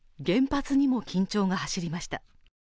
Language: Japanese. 原発にも緊張が走りました。